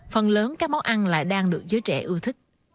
phần lớn các món ăn lại đang được giới trẻ ưa thích